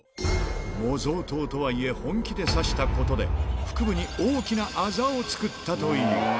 模造刀とはいえ本気で刺したことで、腹部に大きなあざを作ったという。